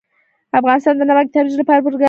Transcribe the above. افغانستان د نمک د ترویج لپاره پروګرامونه لري.